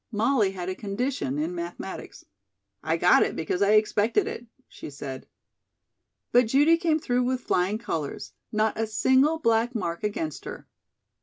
Molly had a condition in mathematics. "I got it because I expected it," she said. But Judy came through with flying colors not a single black mark against her.